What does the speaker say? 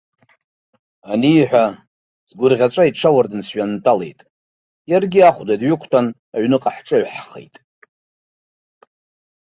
Аниҳәа, сгәырӷьаҵәа иҽуардын сҩантәалеит, иаргьы ахәда дҩықәтәан, аҩныҟа ҳҿыҩаҳхеит.